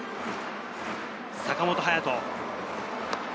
坂本勇人。